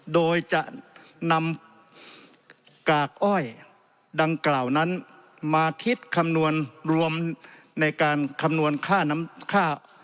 โดยจะนำกากอ้อยดังกล่าวนั้นมาคิดคำนวณรวมในการคำนวณค่าน้ำค่า